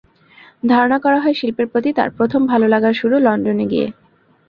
ধারণা করা হয়, শিল্পের প্রতি তাঁর প্রথম ভালো লাগার শুরু লন্ডনে গিয়ে।